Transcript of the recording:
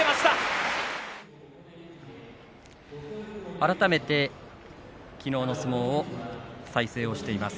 改めてきのうの相撲を再生しています。